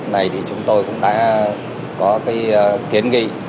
này thì chúng tôi cũng đã có cái kiến nghị